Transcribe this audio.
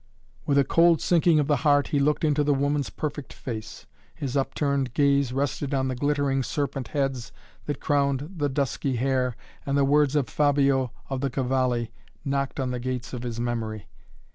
With a cold sinking of the heart he looked into the woman's perfect face. His upturned gaze rested on the glittering serpent heads that crowned the dusky hair, and the words of Fabio of the Cavalli knocked on the gates of his memory.